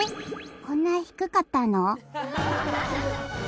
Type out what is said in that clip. こんな低かったの？」